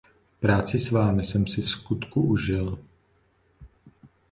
Práci s vámi jsem si vskutku užil.